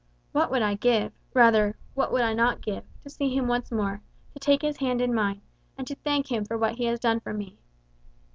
"What would I give rather, what would I not give to see him once more, to take his hand in mine, and to thank him for what he has done for me!"